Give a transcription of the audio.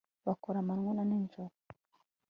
bakora amanywa n'ijoro